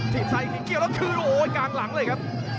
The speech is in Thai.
ทีมซ้ายที่เกี่ยวแล้วคือโอ้ยกลางหลังเลยครับ